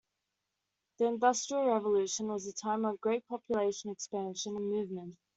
The Industrial Revolution was a time of great population expansion and movement.